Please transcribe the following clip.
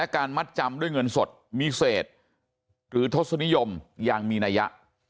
การมัดจำด้วยเงินสดมีเศษหรือทศนิยมอย่างมีนัยยะ